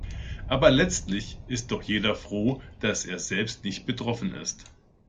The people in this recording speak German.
Aber letztlich ist doch jeder froh, dass er selbst nicht betroffen ist.